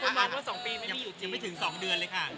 หลายคนมองว่าสองปีไม่มีอยู่จริงยังไม่ถึงสองเดือนเลยค่ะ